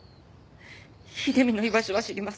秀美の居場所は知りません。